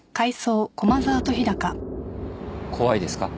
怖いですか？